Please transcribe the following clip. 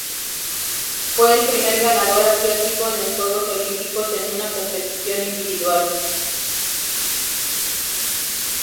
Fue el primer ganador asiático en los Juegos olímpicos en una competición individual.